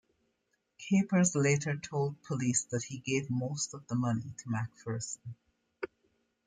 Capers later told police that he gave most of the money to McPherson.